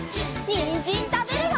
にんじんたべるよ！